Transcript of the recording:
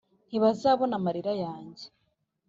ntibazabona amarira yanjye.